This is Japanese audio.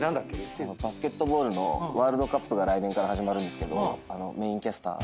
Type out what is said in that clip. バスケットボールのワールドカップが来年から始まるんですけどメインキャスター。